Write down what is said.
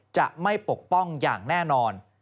จะไม่ปกป้องอย่างแน่นอน